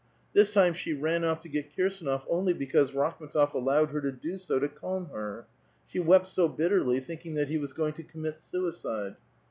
This time she ran off to get Kir sdoofonly because Rakhm^tof allowed her to do so to calm her. •She wept so bitterly, thinking that he was going to commit suicide.